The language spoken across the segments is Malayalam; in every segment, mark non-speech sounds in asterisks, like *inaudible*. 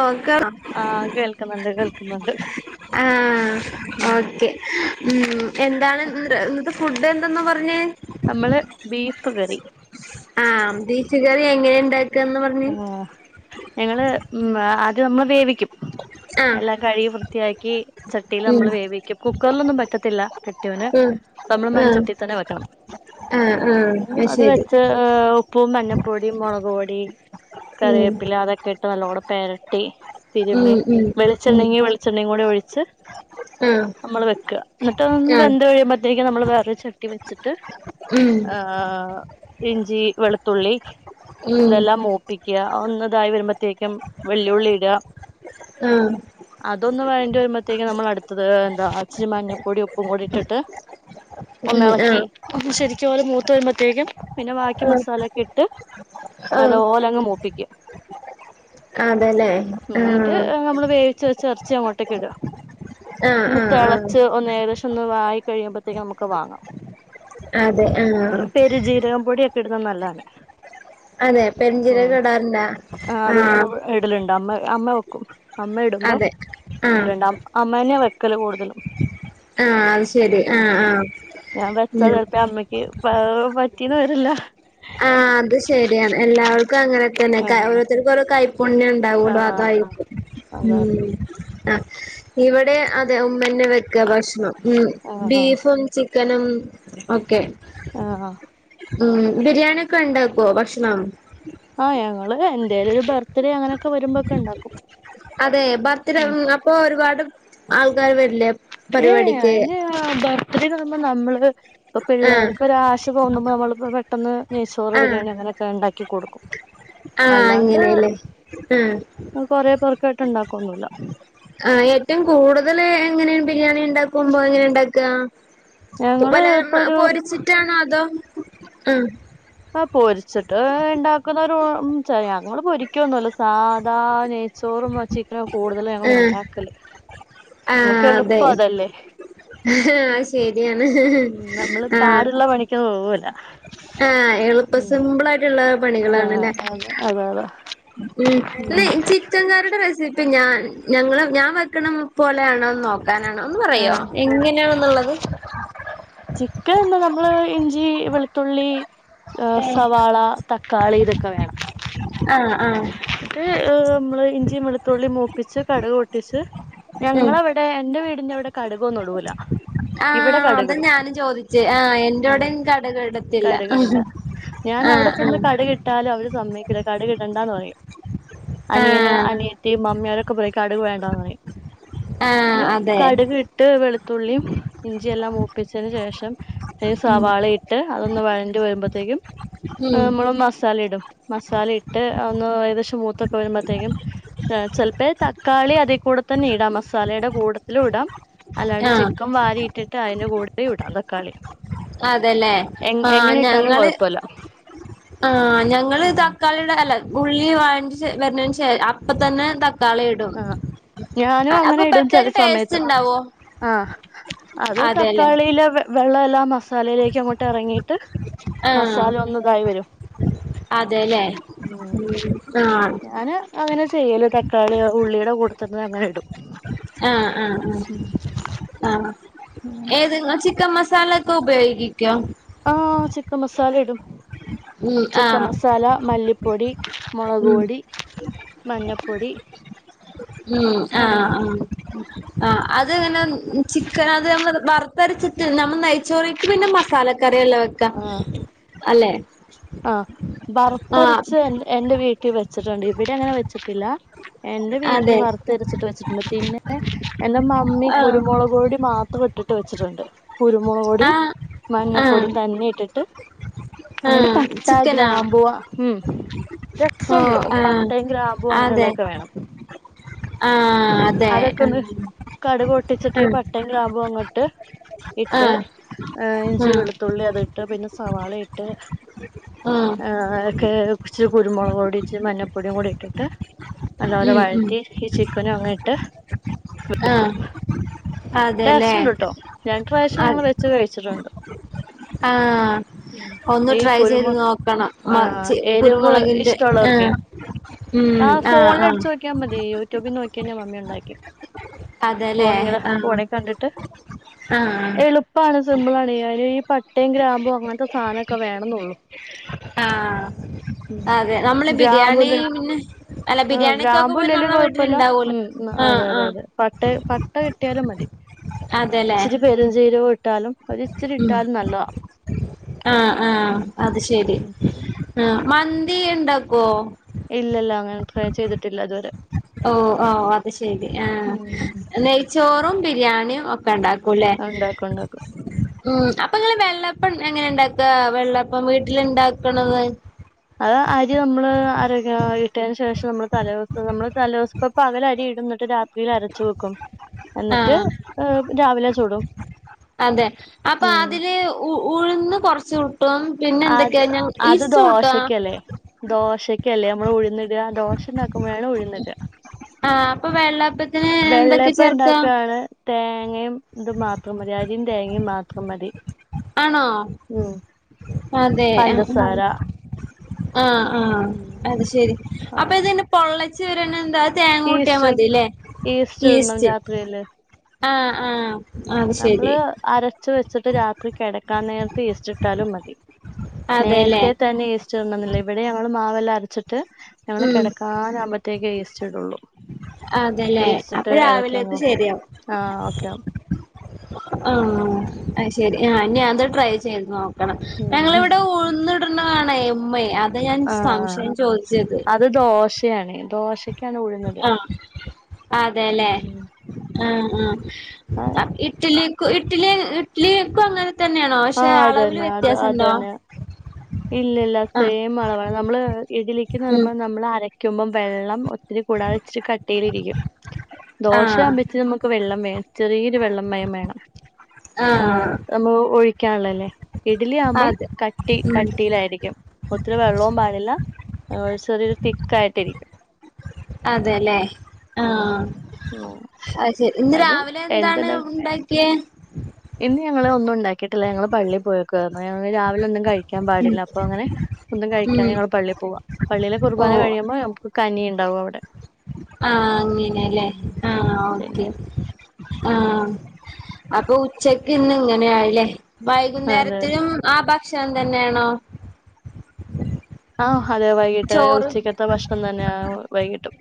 ഓ കാർ ആഹ് കേൾക്കുന്നുണ്ട് കേൾക്കുന്നുണ്ട് ആഹ് ഉം ഓക്കെ ഉം എന്താണ് ഇന്നത്തെ ഫുഡ്ന്തെണെന്ന് പറഞെ നമ്മള് ബീഫ് കറി ആഹ് ബീച്ച് കറി എങ്ങനെ ഇണ്ട് ആഹ് ഞങ്ങള് ഉം അത് നമ്മ വേവിക്കും ആഹ് എല്ലാം കഴുകി വൃത്തിയാക്കി ചട്ടില് ഉം നമ്മള് വേവിക്കും. കുക്കറ്ലൊന്നും പറ്റത്തില്ല കെട്ടിയോന് ഉം ഇപ്പം നമ്മള് ആഹ് മൺചട്ടിതന്നെ വെക്കണം ആഹ് ആഹ് അത് ശരി വെച്ച്.. ഉപൂ മഞ്ഞപ്പൊടി മൊളക് പൊടി ഉം കറിവേപ്പില അതൊക്കെ ഇട്ട് നല്ലോണം പേരട്ടി തിരുമ്മി ഉം ഉം ഉം വെളിച്ചെണ്ണെങ്കിള.. പച്ചെണ്ണയും കൂടി ഒഴിച്ച് ആഹ് നമ്മൾ വെക്ക ഇന്നട്ട് ഒന്ന് ആഹ് വെന്ത് ഒഴിയ തേക്ക് നമ്മള് വേറൊരു ചട്ടി വെച്ചിട്ട് ഉം ആഹ് ഇഞ്ചി വെളുത്തുള്ളി ഉം ഇതെല്ലാം മൂക്ക് പ്പിക്ക്യ ഒന്നതായി വരുമ്പോഴത്തേക്കും വെല്ലുളി ഇട ആഹ് അതൊന്ന് വേണ്ടി വരുമ്പോഴത്തേക്കും നമ്മൾടുത്തത് എന്താ അരച്ച മഞ്ഞപ്പൊടി ഉപ്പും കൂടി ഇട്ടിട്ട് *inaudible* ഒന്ന് എളക്കി ആഹ് അ പ്പ ശരിക്കും പോലെ മൂ... ത്ത്‌ വരുമ്പോഴത്തേക്കും പിന്നെ ബാക്കി മസാലൊക്കെ ഇട്ട് ആഹ് നല്ലോ. ഇന്നട്ട് അങ്മൂപ്പിക്കും ഇതല്ലെ ആഹ് ട്ട് മ്മള് വേവിച്ച് വെച്ച എറച്ചി അങ്ങോട്ടേക്ക് ഇട ആഹ് ന്ന് ആഹ് ആഹ് തെളച്ച് ഒന്ന് ഏകദേശംന്ന് വായി കഴിയുമ്പത്തേക്ക് ഞമ്മക്ക് വാങ്ങാ അതെ ആഹ് എ പെരു ജീരകം പൊടിയൊക്കെടുന്നത് നല്ല ആണ്! അതെ പെരിഞ്ചീരഇ ടാറ്ല്ല ആഹ് ഇടല്ഇണ്ടാ അമ്മ അമ്മ വെക്കും അമ്മ ഇടുമ്പോ അതെ *inaudible* ആഹ് ഇതിലുണ്ടവും അമ്മേനെ വെക്കല് കൂടുതലും ആഹ് അത് ശരി ആ ആഹ് ആഹ് ഞൻ വച്ച ഉം ചെലപ്പഅമ്മക്ക് പ്പ പറ്റീന്ന് വരില്ല ആഹ് അത് ശരിയാണ്. എല്ലാവർക്കും അങ്ങനെ തന്നെ കല്യാണം ആഹ് ഓരോത്തർക്കോരോ കായ്പുണ്ണ്യൺ ണ്ടവൊള്ളൂ അതായ്‌രുക്കു അതാ ഉം ഇവിടെ അത അതെ ഉമ്മന്നെ വെക്ക ഭക്ഷണം ഉം ആഹ് ആഹ് ബീഫും ചിക്കനും ഒക്കെ ആഹ്‌ അഹ് ഉം ബിരിയണിഒക്കെ ഉണ്ടാക്കോ ഭക്ഷണം? ആഹ്‌ ഞങ്ങള് എന്തേലൊരു ബർത്ത് ഡേ അങ്ങനെയക്കെ വരുമ്പോക്കെ ഇണ്ടാക്കും. അതെ ബർത്ത്ഡേ ഉം അപ്പൊ മ് ഒരുപാട് ആൾക്കാര് വരില്ലേ? ഏയ് എ പരിപാടിക്ക് അയിന് ബർത്ത്ഡേക്കന്നറിമ്പോ നമ്മള് ഇപ്പൊ ആഹ് പിള്ളേർകൊരാശ തോന്നുമ്പോ നമ്മള്പ്പ പെട്ടൊന്ന് നൈചോറ് ബിരിയാണി അങ്ങനൊക്കെ ഇണ്ടാക്കി കൊടുക്കും ആഹ്‌ അങ്ങനെല്ലേ അഹ് അഹ് കൊറേ പോർക്കോട്ട് ഇണ്ടാക്കൊന്നൂല്ല ആ ഏറ്റും കൂടുതൽ എങ്ങനെയാണ് ബിരിയാണി ഇണ്ടാക്കുമ്പോ എങ്ങനെ ഇണ്ടാക്ക? ഞങ്ങള് വല്ലാരും ഇപ്പൊ ഒരു പൊരിച്ചിട്ടാണോ അതോ? ഉം ആ പൊരിച്ചിട്ട് ണ്ടാക്കുന്നവരു ചെയ് ഞങ്ങൾ പൊരികോന്നല്ല ചെയ്യ സാധാ നെയ്ച്ചോറും ചിക്കനും കൂടുതലും ആഹ് ഞങ്ങള്ണ്ടാക്കല് ക്ക് എളുപ്പഅതല്ലേ? അഹ് അഹ്‌ശരിയാണ് ആഹ്‌ ക്കാൻ വേവൂല ആഹ് അള്പ്പ സിമ്പിളായിട്ട്ള്ള ആഹ്‌ അതെ അതെ അതാ ഉം ല്ല ചിക്കൻ കറിയുടെ റെസിപ്പി ഞാൻ ഞങ്ങള് ഞാ വെക്കണ പോലേണോ നോക്കാനാണ് ഒന്ന് പറയോ ആഹ് എങ്ങനെണ്ന്ന്ള്ളത് ചിക്കൻന്താ നമ്മള് ഇഞ്ചി വെളുത്തുള്ളി ഹ്‌ സവാള തക്കാളിതൊക്കെ വേണം! ആഹ്‌ ആഹ്‌ ട്ട് മ്മള് ഇഞ്ചി വെളുത്തുള്ളി മൂപ്പിച്ച് കടക് പൊട്ടിച്ച് ഉം ഞങ്ങളവിടെ എന്റെ വീടിന്റെവിടെ കടുകൊന്നുടൂല ആഹ്‌ അത ഞാനും ചോദിച്ച് ആ ആഹ് ന്റോടിം കടുക്ടത്തില്ല കടുകിടില്ല ആ ആ ട്ടാലും അവര് സമ്മയ്ക്കൂല കടകിടണ്ടന്ന് പറയും ആഹ് അനിയനും ആഹ് അനിയതി തിംമമ്മീം ഒരൊക്കെ പറയും കടുക് വേണ്ടാന്ന് പറയും ആഹ് അതെ കടുക് ഇട്ട് വെളുത്തുള്ളിയും ഇഞ്ചില്ലാം മൂപ്പിച്ചതിനന് ശേഷം അയ് ഉം സവാള ഇട്ട ട്ട് അതൊന്ന് വഴണ്ടി വരുമ്പോഴത്തേക്കും ഹ്‌ ഉം മ്മള് മസാല ഇടും മസാല ഇട്ട് ഒന്ന് ഏകദേശം മൂത്തൊക്കെ വരുമ്പോഴത്തേക്കും ഹെ ചെൽപേ തക്കാളി അതികൂടെ തന്നെ ഇടാം മസാലേടെ കൂടെ ലുടാം അല്ലാണ്ട് ആഹ് ചിക്കൻ വാരിട്ടിട്ട് അതിന്റെ കൂടെ ഇടാം തക്കാളി അതല്ലേ ആ ഞങ്ങള് അല്ല ആ ഞങ്ങള് തക്കാളിടെ അല്ല ഉള്ളി വായണ്ട് ശേ വർനിശേ അപ്പത്തന്നെ ത ക്കാളിടും ആഹ് ഞാനും അങ്ങനെ ഇടും ചെല സമയത്ത് ഉണ്ടാവോ ആഹ്‌ അത് അതെല്ലേ തക്കാളിയിലെ വെ വെള്ളല്ലാം മസാലയിലേക്കങ്ങോട്ടിറങ്ങിയിട്ട് ആഹ് അതെലേ ഉം ആഹ്. ഞാന് അങ്ങനെ ചെയ്യല് തക്കാളിയ ഉള്ളിടെ കൂടെത്ത ആഹ് ആഹ് ആഹ്. ആഹ് ഏത ങ്ങള് ചിക്കം മസാല ക്കെ ഉപയോഗിക്കോ? ആഹ് ചിക്കം മസാല ഇടും. *inaudible* ചിക്കം ആഹ് മസാല, മല്ലിപ്പൊടി, മൊളക് ഉം പൊടി. മഞ്ഞപ്പൊടി. ഉം അങ്ങനൊക്കെ ആഹ് ആഹ്. ആ അത്ങ്ങനെ ചിക്കനത് ന വറുത്തരച്ചിട്ട് നമ്മൾ നയിച്ചോറി ക്ക് പിന്നെ മസാലക്കറല്ലേ വെക്ക ആഹ് അല്ലെ. ആഹ് ആഹ് വർത്തരച്ച് എൻറെ വീട്ടി വെച്ചിട്ടുണ്ട് ഇവിടെ അങ്ങനെ വെച്ചിട്ടില്ല. എന്റെ വീട്ടില് അതെ വറുത്തരച്ചിട്ട് വെച്ചിട്ടുണ്ട് പിന്നെ എന്റെ മമ്മി ആഹ് കുരുമൊളക് പൊടി മാത്ര ട് ഇട്ടിട്ട് വെച്ചിട്ടുണ്ട് കുരുമൊള പൊടിം, ആഹ് ആഹ് മഞ്ഞപ്പൊടിം തന്നെ ഇട്ടിട്ട്. ആഹ്. ട്ട ചിക്കനാ ഗ്രാമ്പു ഉം. ഓഹ് രസണ്ടോ പട്ടേ ഗ്രാമ്പും അങ്ങനള്ളതൊക്കെ വേണം. അഹ്. അതൊക്കെ ഒന്ന് കടൊട്ടിച്ചിട്ട് ഈ പട്ടൻകമ്പും അങ്ങോട്ട് ഇട്ട് ആഹ് ഹെ ഇഞ്ചി ആഹ് ആഹ് വെളുത്തുള്ളി അതിട്ട് പിന്നെ സവാളയിട്ട് ആം. ആ ഒക്കെ കുച്ചി കുരുമുളക്ടി ഇ്ച്ച് മഞ്ഞപ്പൊടി കൂടി ഇട്ടിട്ട്. നല്ലപോലെ ഉം ഉം വഴറ്റി ഈ ചിക്കനും അങ്ങിട്ട് ആഹ് വെക്കും. അതെല്ലേ ടേസ്റ്റണ്ട്ട്ടോ രണ്ട് പ്രാവശ്യം അത് ഞങ്ങള് വെച്ച് കഴിച്ചിട്ണ്ട്. ആഹ്. ഒന്ന് ഈ ട്രൈ ചെയ്ത് കുരുമു നോക്കണം ആ മച്ച് എരിവ് കുരുമുളകിന്റെ ഇഷ്ടമുള്ളവർക്കെ ആഹ് ഉം ആഹ് ആഹ്. ചോക്കിയ മതി യൂട്യൂബിൽ നോക്കിന്നെ മമ്മി ഉണ്ടാക്കി അതെല്ലേ പോണിങ്ങാ ആഹ് പോണേ കണ്ടിട്ട്. ആഹ് എളുപ്പാണ് സിമ്പിളാണ് യി പട്ടേം ഗ്രാം മ്പോ അവ്പോൽത്തെ സാനൊക്കെ വേണന്നള്ളു. ആഹ് അതെ നമ്മള് ബിരിയാണി ഗ്രാമ്പൂല് പിന്നെ അല്ല ബിരിയാ ആഹ് ക്കൊക്കെ പോ ഗ്രാമ്പൂല്ലേലും നമ്മളെ വീട്ടില കൊഴപ്പല്ല ഇണ്ടാവല്ലോ ഉം ആഹ് അതെ അതെ ആഹ് അതെ പട്ട പട്ട അതെല്ലേ. ചരുംചീരവും ഇട്ടാലും ഒരിച്ചിരി ഉം ഇട്ടാലും നല്ലത ആഹ് ആഹ് അത് ശരി ഉം ആ മന്തി ഇ ണ്ടാക്കോ ഇല്ലല്ല അങ്ങനെ ട്രൈ ചെയ്തിട്ടില്ല ഇതുവരെ ഓഹ് ഓഹ് അത് ശെരി ആഹ് ഉം നെയ്ച്ചോറും, ബിരിയാണിം ഒക്കെ ഇ ണ്ടാക്കൂല്ലേ ഉണ്ടാക്കും ഉണ്ടാക്കും. ഉം അപ്പൊ ഇങ്ങെള് വെള്ളപ്പം എങ്ങനെ ഇണ്ടാക്കാ വെള്ളപ്പം വീട്ടിലണ്ടാക്കണത്. അ അരി മ്മള് അര ഇട്ടതിന് ശേഷം അമ്മള് തലേസം നമ്മള് തലസ പകല അരി ഇടുന്നിട്ട് രാ സിൽ അരച്ചു വെക്കും എന്നിട്ട് ആഹ് ഏ രാവിലെ ചൂടും. അതെ അപ്പൊ അതില് ഉഴ്ന്ന് കൊ റചൂട്ടോ? അത് പിന്നെന്തൊക്കെയാ ന്നം അത് ഈസ്റ്റ് കൂട്ടോ? ദോശക്കല്ലേ ദോശക്കല്ലേ അമ്മൾ ഉഴുന്നിട ദോശ ണ്ടാക്കുമ്പഴാണ് ഉഴുന്നിട ആഹ് അപ്പൊ വെള്ളപ്പ വെള്ളപ്പ ഇണ്ടാക്കാണ് തേങ്ങയും ഇത് മാത്രം മതി അരിം തേങ്ങി മാത്രം മതി. ആണോ ഉം അതെ അ അ പഞ്ചസാര ആഹ് ആഹ് ഉം അത് ശെരി അപ്പൊ ആഹ് ഇതിന് പൊള്ളച്ചെരാനെന്താ തേങ്ങുട്ടിയ ഈസ്റ്റ് മതില്ലേ ഇടണം ഈസ്റ്റ് രാത്രിയില് ആഹ് ആഹ് ഉം അത് ശെരി നമ്മള് അരച്ച് വെച്ചിട്ട് രാത്രി കിടക്കാൻ നേരത്ത് ഈസ്റ്റിട്ടാലും മതി അതെല്ലേ നേരത്തെ തന്നെ ഈസ്റ്റ് ഇടണംന്നില്ല ഇവിടെ ഞങ്ങൾ മാവെല്ലാം അരച്ചിട്ട് ഞങ്ങള് ഉം കിടക്കാനാവുമ്പോത്തേക്കേ ഈസ്റ്റ്ടുള്ളൂ അതെല്ലേ അപ്പൊ ഈസ്റ്റിട്ട് ഇളക്കിയങ്ങ് രാവിലേക്ക് വെക്കും ശെരിയാവും. ആഹ് ഓക്കെ ആ അയ് ശെരി ആ ഇഞ്ഞി അത് ട്രൈ ചെയ്ത് നോക്കണം ഉം ഞങ്ങിവിടെ ഉഴുന്ന് കാണ ഇമ്മ അത ഞാൻ സംശയം ചോദിച്ചത് ഇത് ദോശയാണ് ദോശ ആഹ അതെല്ലേ ഉം ആ ആ ഇഡ്ലി ഇഡ്ലിക്കും അങ്ങനെ തന്നെയാണോ പക്ഷെ ആഹ് അളവിൽ വ്യത്യാസണ്ടോ ഇല്ല ഇല്ല ആഹ് സെയിം അളവാണ് നമ്മള് ഇഡലിക്ക്ന്ന് ഉം പറുമ്പ നമ്മള് അരക്കുമ്പോം വെള്ളം കൂടാതെ ഇച്ചിരി കട്ടീൽ ഇരിക്കും ആഹ് ദോശയാമ്പത്തിന് നമുക്ക് വെള്ളം വേണം ചെറിയൊരു വെള്ളം മയം വേണം ആഹ് നമ്മ ഒഴിക്കാനുള്ളല്ലേ ഇഡലിയാകുമ്പം അതെ കട്ടി ഉം കട്ടിയിലായിരിക്കും ഒത്തിരി വെള്ളവും പാടില്ല അ ചെറിയരു തിക്കായിട്ടിരിക്കും അതെല്ലേ ഉം ആഹ് ഉം. അയ് ശരി ഇന്ന് അതിനും രാവിലെ എന്താണ് എന്തുണ്ടാ ഉണ്ടാക്കിയത് ഇന്ന് ഞങ്ങള് ഒന്നും ഉണ്ടാക്കിയിട്ടില്ല ഞങ്ങള് പള്ളി പോയേക്കുവായിരുന്നു ഞങ്ങള് രാവിലെ ഒന്നും കഴി കഴിക്കൻ ഉം പാടില്ല അപ്പൊ അങ്ങനെ ഒന്നും കഴിക്കാൻ ഉം ഞങ്ങള് പള്ളിൽ പോവാ പള്ളിയിലെ കുർബാന ഓഹ് കഴിയുമ്പോ നമുക്ക് കനി ഉണ്ടാവും അവിടെ ആഹ് അങ്ങനെല്ലേ ഉം. ആഹ് ഓക്കേ പിന്നെ ഉം ആഹ് അപ്പൊ ഉച്ചക്ക് ഇന്ന് ഇങ്ങനെയായില്ലേ അതെ വൈകുന്നേരത്തിലും ആ ഭക്ഷണം തന്നെയാണോ ആഹ് അതെ വൈകിട്ട് ചോറ് ഉച്ചക്കത്തെ ഭക്ഷണം തന്നെയ വൈകിട്ടും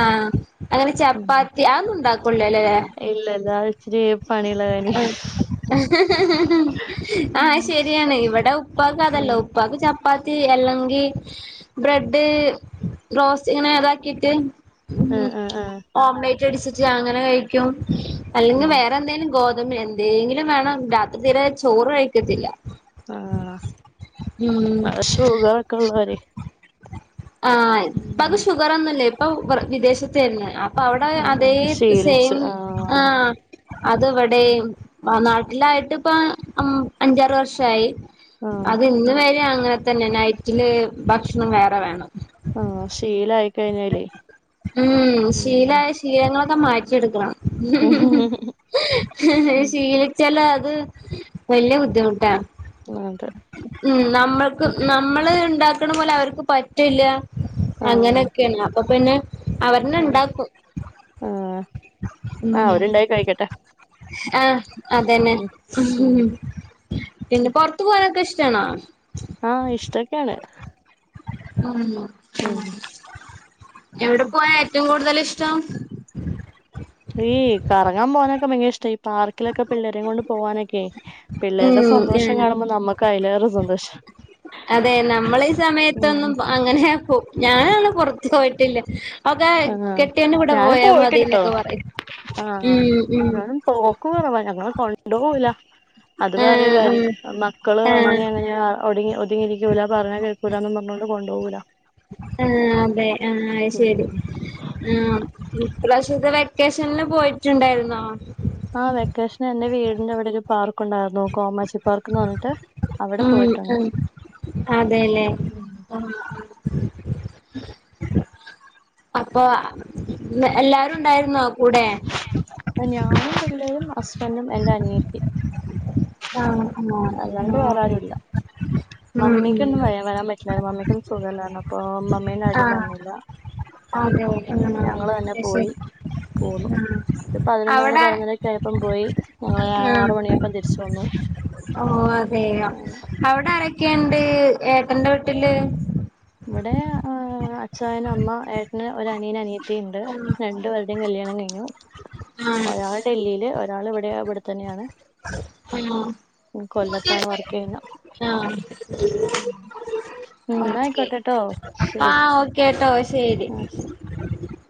ആഹ് അങ്ങനെ ഉം ചപ്പാത്തി അന്ന ഉണ്ടാക്കള്ളോ അല്ലേല്ലേ ഇല്ല ഇല്ല *unintelligible* ഉം ആഹ് ശരിയാണ് ഇവിടെ ഉപ്പക്കാതല്ലോ ആഹ് ഉപ്പ ഉപ്പാക്ക് ചപ്പാത്തി അല്ലെങ്കി ബ്രെഡ് റോസ്റ്റ് ഇങ്ങനെ താക്കിട്ട് ഉം ആഹ് ആഹ് ഓമ്പേറ്റ് അടിച്ചിട്ട് അങ്ങനെ കഴ അല്ലെങ്കിൽ ഉം വേറെന്തേങ്കിലും ഗോതമ്പന് എന്തെങ്കിലും വേണം രാത്രി ത്തീരെ ചോറ് കഴിക്കത്തില്ല ആഹ് ഉം നല്ല സ സുഖമൊക്കെള്ളവര് ആഹ് ഇപ്പക്ക്‌ ഷുഗർ ഒന്നുംല്ലേ ഇപ്പൊ വിദേശത്ത തന്നെ അപ്പ അവിടെ ഉം അതേ ഉം ശീലിച്ച് സെയിം ആഹ് അത് ഇവിടെ നാട്ടിലായിട്ട് ഇപ്പ അഞ്ചാറ് വർഷയി ആഹ് അത് ഇന്ന വരെ അങ്ങനെ തന്നെ നൈറ്റില് ഭക്ഷണം വേറെ വേണം ആഹ് ശീലയി കഴിഞ്ഞാല് ഉം ശീലമായ ശീലങ്ങളൊക്കെ മാറ്റിയെടുക്കണം ഉം ഉം ശീലിച്ചാല അത് വല്യ ബുദ്ധിമുട്ടാ അ അതെ ഉം നമ്മൾക്ക് ഉം നമ്മള് ഉണ്ടാക്കണ പോലെ അവർക്ക് പറ്റില്ല ആഹ് അങ്ങനെയൊക്കെയാണ് അപ്പൊ പിന്നെ അവർന ആഹ് ഇണ്ടാക്കും ആഹ് ആഹ് ഉം അവരുണ്ടായി കഴിക്കട്ടെ ആഹ് അതന്നെ ഉം ഉം പിന്നെ പുറത്തു പോകാനൊക്കെ ഇഷ്ടണോ ആഹ് ഇഷ്ടൊക്കെയാണ് ഉം ഓഹ് എവിടെ പോയാൻ ഏറ്റവും കൂടുതൽ ഇഷ്ടം ഈ. കറങ്ങാൻ പോകാനൊക്കെ ഭയങ്കര ഇഷ്ട ഈ പാർക്കിലൊക്കെ പിള്ളേരെകൊണ്ട് പോവനൊക്കെ.. പിള്ളേരുടെ ഉം സന്തോഷം ഏഹ് കാണുമ്പോ നമ്മക്ക് അതിലേറെ സന്തോഷ.. അതെ നമ്മളീ സമയത്തൊന്നും അങ്ങനെ പോ ഞാനൊന്നും പൊറത്തു പോയിട്ടില്ല.. അതെ ആഹ് കെട്ട്യോന്റെ കൂടെ ഞാനും പോയാ മതി പോയിട്ടില്ലട്ടോ ന്നൊക്കെ പറയു ആഹ് മ്മ്ഹ്.. ഞാനും പോക്ക് കൊറവാ ഞങ്ങളെ കൊണ്ടൊവുല.. അത് വേറെ ആഹ് ആഹ് കാര്യം മക്കള് ആഹ് അങ്ങനെ ങ്ങനെ ഓട്ങ്ങി.. രിക്കൂല പറഞ്ഞ കേക്കൂലാന്നു പറഞൊണ്ട്. കൊണ്ടൊവുല.. ആഹ് അതെ ആയ് ശരി.. ഉം ആം ഇപ്രാവശ്യത്തെ വെക്കേശല് പോയിട്ടുണ്ടായിരുന്നോ.. ആഹ് വെക്കേഷന് എന്റെ വീടിന്റെ അവടൊരു പാർക്ക്ണ്ടായിരുന്നു കോമാച്ചി പാർക്ക്ന്ന് പറഞ്ഞിട്ട്.. അവിടെ മ് പോയിട്ടുണ്ട് ഹ്. അതെലേ.. ആഹ്.. അപ്പൊ. അ എല്ലാരും ഉണ്ടായിരുന്നോ കൂടെ.. ഞാനും പിള്ളേരും അസ്ബൻഡും എന്റെ അനിയത്തി.. പ്പാ ആ ഹ് അല്ലാണ്ട് വേറെ ആരുല്ല ഉം മമ്മികൊന്നു ഉം വയാൻ വരാൻ പറ്റില്ലരുന്നു മമ്മിക്ക്.. സുഖല്ലാര്ന്നപ്പൊ മമ്മി നാടി. വന്നില്ല.. ആതെ. ഹ്ഹ പിന്നെ ഞങ്ങള് തന്നെ ആ ശെരി.. പോയി പോന്നു.. പതിനൊന്ന് മണി പറഞ്ഞതൊക്കെപ്പം പോയി ഞങ്ങള് ആറ മണിയപ്പം തിരിച്ചു വന്നു ആഹ് അതെ അവിടെ ആരൊക്കെണ്ട് ഏട്ടന്റെ വീട്ടില് ഇവിടെ ആഹ് അഛായൻ അമ്മ ഏട്ടന് ഒരു അനിയന് അനിയ ത്തിണ്ട് രണ്ട് പേരുടെ കല്യാണം കഴിഞ്ഞു ആ *inaudible* ഒരാള് ഡ ല്ലീൽ ഒരാൾ ഇവിടെ ഇവിടെത്തന്നെണ് ആഹ് കൊല്ലത്താണ് വർക്ക് യ്യുന്നെ ആഹ് ഉം ആഹ് ഓക്കെ ന്നായികൊട്ടട്ടോ ശരി ആഹ് ഓക്കേട്ടോ ശരി ആഹ് ശരി *inaudible*